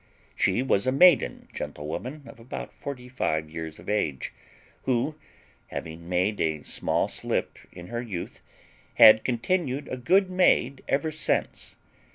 She was a maiden gentlewoman of about forty five years of age, who, having made a small slip in her youth, had continued a good maid ever since.